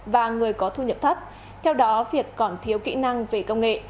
và người có thu nhập thấp theo đó việc còn thiếu kỹ năng về công nghệ